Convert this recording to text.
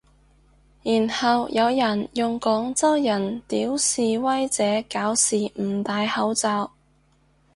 然後有人用廣州人屌示威者搞事唔戴口罩